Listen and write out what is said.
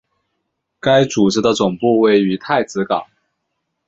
该组织的总部位于太子港。